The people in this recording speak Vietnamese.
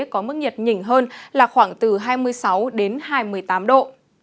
có mức nhiệt nhỉnh hơn là khoảng từ hai mươi sáu đến hai mươi tám độ